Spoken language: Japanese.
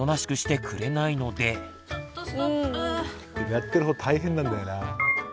やってる方大変なんだよな。